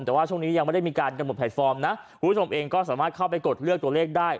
แต่ว่าช่วงนี้ยังไม่ได้มีการกำหนดแพลตฟอร์มนะคุณผู้ชมเองก็สามารถเข้าไปกดเลือกตัวเลขได้